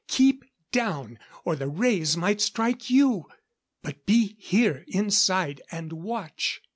Keep down, or the rays might strike you! But be here, inside, and watch.